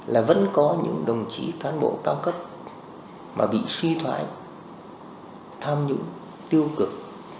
là vẫn có những đồng chí cán bộ cao cấp mà bị suy thoái tham nhũng tiêu cực